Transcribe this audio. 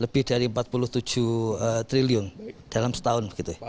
lebih dari empat puluh tujuh triliun dalam setahun